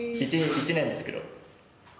１年ですけど。